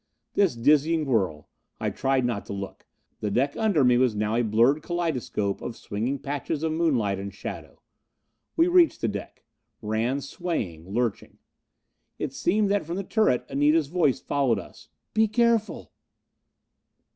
This dizzying whirl. I tried not to look. The deck under me was now a blurred kaleidoscope of swinging patches of moonlight and shadow. We reached the deck. Ran, swaying, lurching. It seemed that from the turret Anita's voice followed us. "Be careful!"